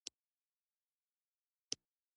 • ریښتینی ملګری ستا احساس ته درناوی لري.